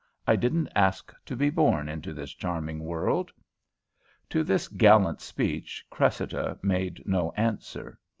I didn't ask to be born into this charming world." To this gallant speech Cressida made no answer.